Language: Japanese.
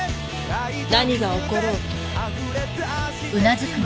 何が起ころうと。